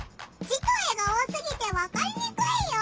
字と絵が多すぎてわかりにくいよ。